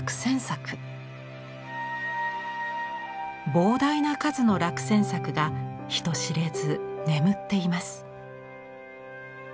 膨大な数の落選作が人知れず眠っています。